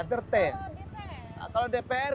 entertain kalau dpr